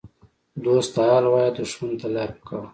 ـ دوست ته حال وایه دښمن ته لافي کوه.